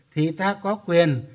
thì ta có quyền